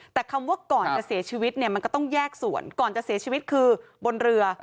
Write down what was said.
แต่คำว่าก่อนจะเสียชีวิตเนี่ยมันก็ต้องแยกส่วนก่อนจะเสียชีวิตคือบนเรือ